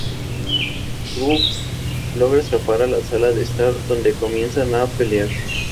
Krug logra escapar a la sala de estar, donde comienzan a pelear.